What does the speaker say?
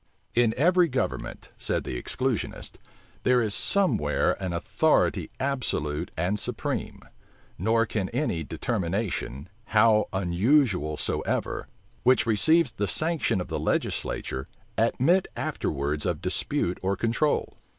In every government, said the exclusionists, there is some where an authority absolute and supreme; nor can any determination, how unusual soever, which receives the sanction of the legislature, admit afterwards of dispute or control.